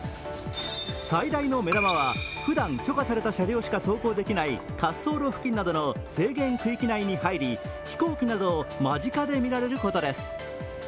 最大の目玉はふだん許可された車両しか走行できない滑走路付近などの制限区域内に入り、飛行機などを間近で見られることです。